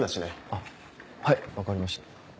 あっはい分かりました。